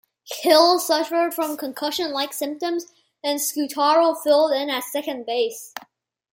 Hill suffered from concussion-like symptoms, and Scutaro filled in at second base.